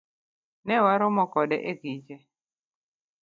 Newaromo kode e kiche.